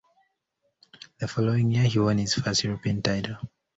The following year, he won his first European title.